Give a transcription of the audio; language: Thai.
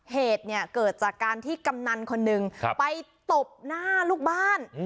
เหตุเนี่ยเกิดจากการที่กำนันคนหนึ่งไปตบหน้าลูกบ้าน